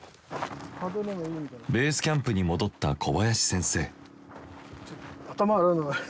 ベースキャンプに戻った小林先生。